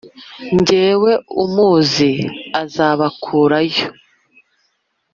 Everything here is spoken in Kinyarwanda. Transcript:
jyewe umuzi azabakurayo.